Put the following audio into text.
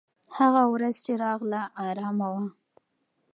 هغه ورځ چې راغله، ارامه وه.